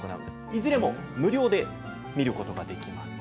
いずれも無料で見ることができます。